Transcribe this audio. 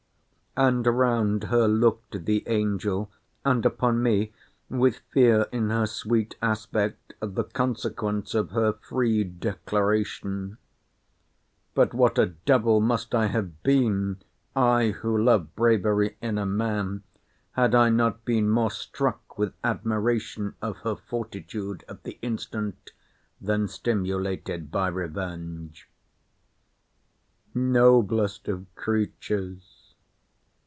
And round her looked the angel, and upon me, with fear in her sweet aspect of the consequence of her free declaration—But what a devil must I have been, I who love bravery in a man, had I not been more struck with admiration of her fortitude at the instant, than stimulated by revenge? Noblest of creatures!